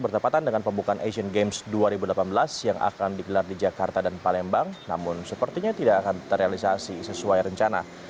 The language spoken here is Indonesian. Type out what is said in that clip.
bertepatan dengan pembukaan asian games dua ribu delapan belas yang akan digelar di jakarta dan palembang namun sepertinya tidak akan terrealisasi sesuai rencana